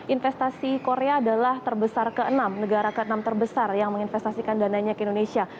investasi korea adalah terbesar ke enam negara ke enam terbesar yang menginvestasikan dananya ke indonesia